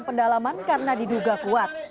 kami juga melakukan pendalaman karena diduga kuat